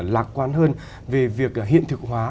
lạc quan hơn về việc hiện thực hóa